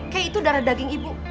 kek itu darah daging ibu